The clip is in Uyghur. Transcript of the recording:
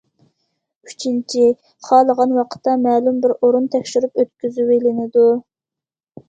ئۈچىنچى، خالىغان ۋاقىتتا مەلۇم بىر ئورۇن تەكشۈرۈپ ئۆتكۈزۈۋېلىنىدۇ.